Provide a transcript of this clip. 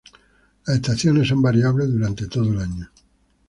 Las estaciones son variables durante todo el año.